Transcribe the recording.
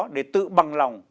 để tự bằng lòng